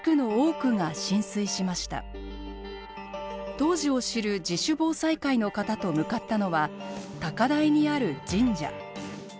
当時を知る自主防災会の方と向かったのは高台にある神社。